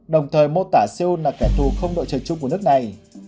đồng thời mô tả seoul là kẻ thù không đội trời trung của nước này